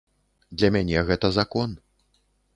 Для мяне гэта закон.